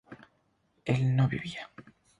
¿él no vivía?